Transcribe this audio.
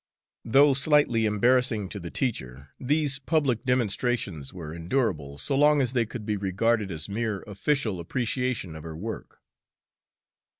Though slightly embarrassing to the teacher, these public demonstrations were endurable so long as they could be regarded as mere official appreciation of her work.